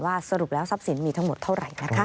สรุปแล้วทรัพย์สินมีทั้งหมดเท่าไหร่นะคะ